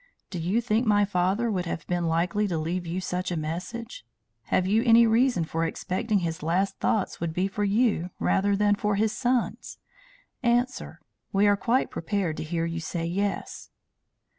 Do you think my father would be likely to leave you such a message? Have you any reason for expecting his last thoughts would be for you, rather than for his sons? Answer; we are quite prepared to hear you say Yes."